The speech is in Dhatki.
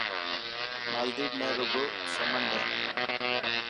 مالديپ ۾ رگو سمنڊ هي.